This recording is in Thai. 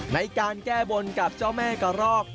ในการแก้บนกับเจ้าแม่กระรอก